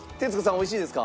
美味しいですか？